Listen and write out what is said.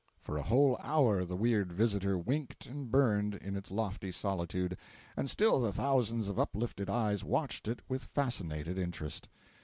For a whole hour the weird visitor winked and burned in its lofty solitude, and still the thousands of uplifted eyes watched it with fascinated interest.